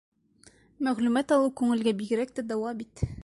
Мәғлүмәт алыу күңелгә бигерәк тә дауа бит.